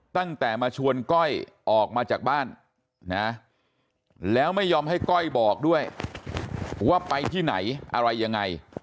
ตั้งแต่มาชวนก้อยออกมาจากบ้านนะแล้วไม่ยอมให้ก้อยบอกด้วยว่าไปที่ไหนอะไรยังไง